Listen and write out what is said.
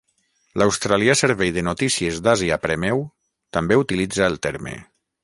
L'australià servei de notícies d'Àsia Premeu també utilitza el terme.